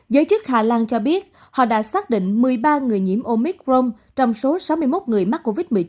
giới chức hà lan cho biết họ đã xác định một mươi ba người nhiễm omicron trong số sáu mươi một người mắc covid một mươi chín